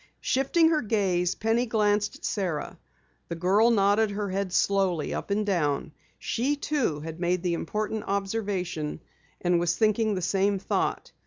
Shifting her gaze, Penny glanced at Sara. The girl nodded her head slowly up and down. She, too, had made the important observation, and was thinking the same thought.